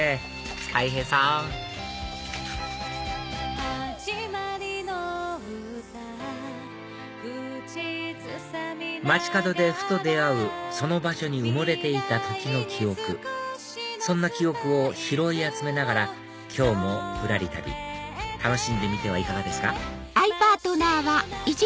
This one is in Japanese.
たい平さん街角でふと出会うその場所に埋もれていた時の記憶そんな記憶を拾い集めながら今日もぶらり旅楽しんでみてはいかがですか？